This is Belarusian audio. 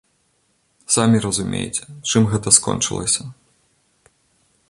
Самі разумееце, чым гэта скончылася.